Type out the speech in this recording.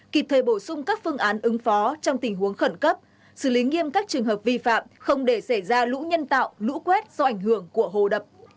kịp thời bổ sung các phương án ứng phó trong tình huống khẩn cấp xử lý nghiêm các trường hợp vi phạm không để xảy ra lũ nhân tạo lũ quét do ảnh hưởng của hồ đập